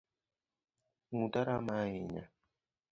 Nguta rama ahinya